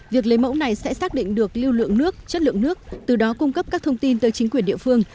việc lấy mẫu này sẽ xác định được lưu lượng nước chất lượng nước từ đó cung cấp các thông tin tới chính quyền địa phương